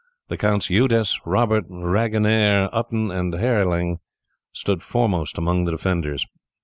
The Counts Eudes, Robert, Ragenaire, Utton, and Herilang stood foremost among the defenders.